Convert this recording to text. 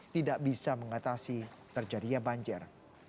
tidak bisa mengatasi terjadinya banjir